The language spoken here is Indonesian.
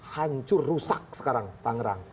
hancur rusak sekarang tangerang